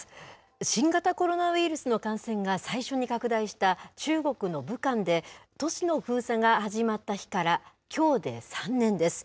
新型コロナウイルスの感染が最初に拡大した中国の武漢で、都市の封鎖が始まった日からきょうで３年です。